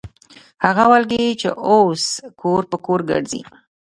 هغه والګي چې اوس کور پر کور ګرځي.